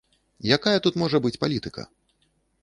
Якая тут можа быць палітыка?